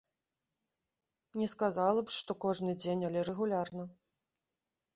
Не сказала б, што кожны дзень, але рэгулярна.